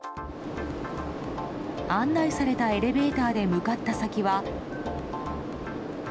案内されたエレベーターで向かった先は。